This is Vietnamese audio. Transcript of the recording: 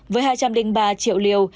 với hai trăm linh ba triệu liều